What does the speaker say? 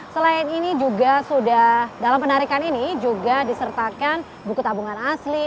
dan ini juga sudah dalam penarikan ini juga disertakan buku tabungan asli